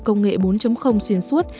công nghệ bốn xuyên suốt